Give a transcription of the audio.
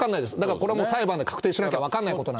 これは裁判で確定しなきゃ分からないことなんで。